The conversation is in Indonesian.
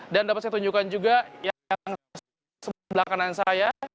dan dapat saya tunjukkan juga yang sebelah kanan saya